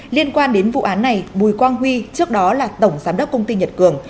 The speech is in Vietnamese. liên quan đến vụ án này bùi quang huy trước đó là tổng giám đốc công ty nhật cường